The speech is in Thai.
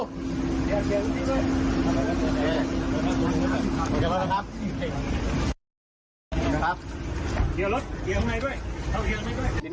ครับเกียร์รถเกียร์ข้างในด้วยเข้าเกียร์ให้ด้วย